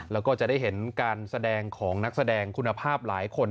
แล้วก็จะได้เห็นการแสดงของนักแสดงคุณภาพหลายคน